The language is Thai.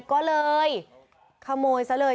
ก็เลยขโมยซะเลย